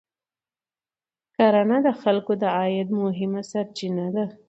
کرنه د خلکو د عاید مهمه سرچینه ده